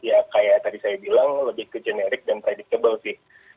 ya kayak tadi saya bilang lebih ke generik dan predictable sih